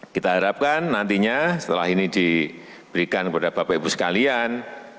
kita harapkan nantinya setelah ini diberikan kepada bapak ibu sekalian